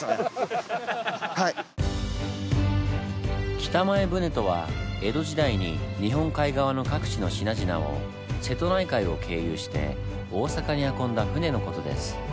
北前船とは江戸時代に日本海側の各地の品々を瀬戸内海を経由して大坂に運んだ船の事です。